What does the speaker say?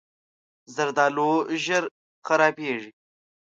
زردالو ژر خرابېږي.